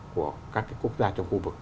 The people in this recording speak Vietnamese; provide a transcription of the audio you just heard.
của các cái quốc gia trong khu vực